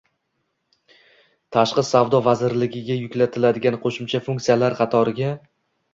Tashqi savdo vazirligiga yuklatiladigan qo‘shimcha funksiyalar qatoriga